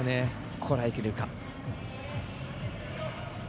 こらえきれるか。